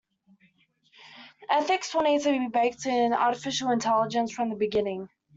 Ethics will need to be baked in Artificial Intelligence from the beginning.